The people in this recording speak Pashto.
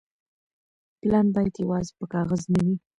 پلان بايد يوازي په کاغذ نه وي.